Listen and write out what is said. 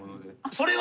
それは。